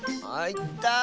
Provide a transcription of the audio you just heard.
あいた！